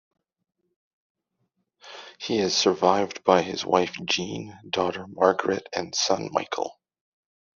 He is survived by his wife Jean, daughter Margaret and son Michael.